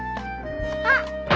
あっ！